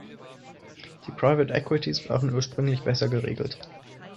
Die private equities waren ursprünglich besser geregelt.